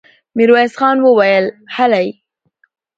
ميرويس خان وويل: هلئ!